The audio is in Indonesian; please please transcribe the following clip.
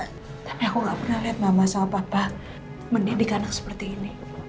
aku gak pernah lihat mama sama papa mendidik anak seperti ini